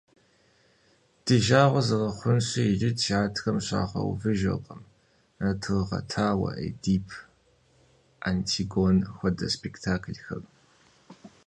Ди жагъуэ зэрыхъунщи, иджы театрым щагъэувыжыркъым, «Тыргъэтауэ», «Эдип», «Антигонэ» хуэдэ спектаклхэр.